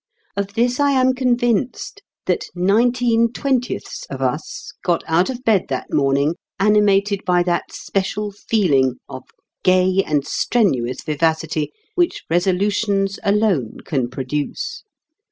Of this I am convinced, that nineteen twentieths of us got out of bed that morning animated by that special feeling of gay and strenuous vivacity which Resolutions alone can produce.